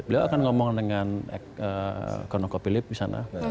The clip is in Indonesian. beliau akan ngomong dengan konoko philip di sana